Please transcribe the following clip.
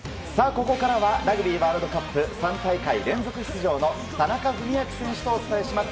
ここからはラグビーワールドカップ３大会連続出場の田中史朗選手とお伝えします。